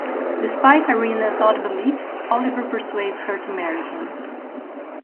Despite Irena's odd beliefs, Oliver persuades her to marry him.